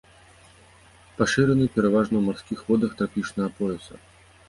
Пашыраны пераважна ў марскіх водах трапічнага пояса.